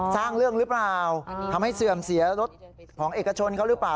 สร้างเรื่องหรือเปล่าทำให้เสื่อมเสียรถของเอกชนเขาหรือเปล่า